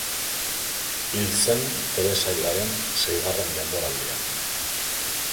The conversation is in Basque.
Hil sen telesailaren seigarren denboraldian.